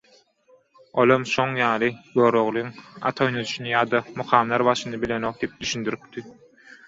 Olam şoň ýaly «Göroglyň at oýnadyşyny» ýada «Mukamlar başyny» bilenok» diýip düşündiripdi.